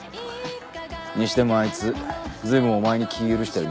にしてもあいつずいぶんお前に気ぃ許してるみたいだな。